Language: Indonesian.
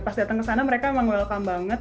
pas datang kesana mereka memang welcome banget